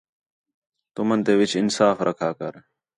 تُمن تے وِچ انصاف رکھا کر